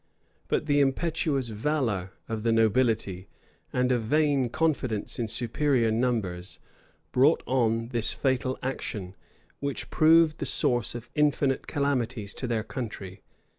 But the impetuous valor of the nobility, and a vain confidence in superior numbers, brought on this fatal action, which proved the source of infinite calamities to their country.